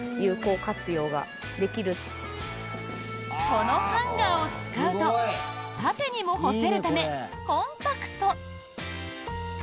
このハンガーを使うと縦にも干せるためコンパクト。